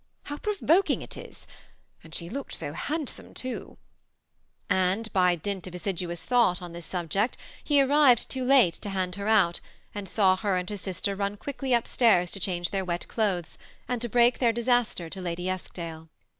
How provoking it is, — and she looked so handsome too !" and by dint of assiduous thought on this subject, he arrived too late to hand her out, and saw her and his sister run quickly up stairs to change their wet clothes, and to break their disaster to Lady Eskdale.